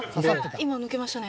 今抜けましたね。